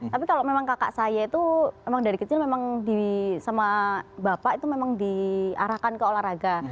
tapi kalau memang kakak saya itu memang dari kecil memang sama bapak itu memang diarahkan ke olahraga